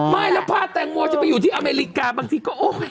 ไม่แล้วผ้าแตงโมจะไปอยู่ที่อเมริกาบางทีก็โอ๊ย